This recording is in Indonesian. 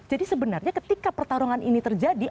jadi sebenarnya ketika pertarungan itu berlalu